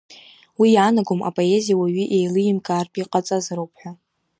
Уи иаанагом апоезиа уаҩы иеилымкаартә иҟаҵазароуп ҳәа.